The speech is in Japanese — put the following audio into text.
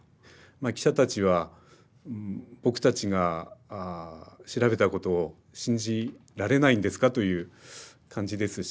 記者たちは「僕たちが調べたことを信じられないんですか？」という感じですし